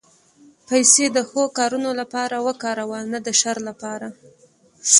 پېسې د ښو کارونو لپاره وکاروه، نه د شر لپاره.